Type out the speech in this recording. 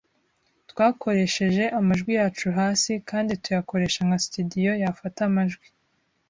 Twakoresheje amajwi yacu hasi kandi tuyakoresha nka studio yafata amajwi.